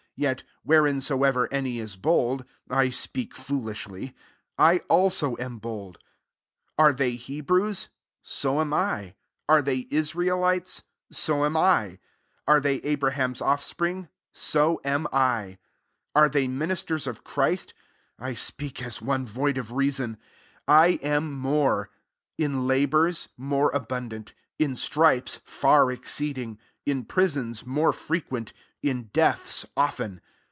Yet whereinsoever any is bold, (I speak foolishly,) 1 also am bold. 22 Are they Hebrews? so am L Are they Israelites ? so am I. Are they Abraham's, off spring I so am I. 23 Are they mmisters of Christ? (I speak as one void of reason,) I am more; in labours, more abun dant; in stripes, far exceeding ; in prisons, more frequent ; in deaths, often.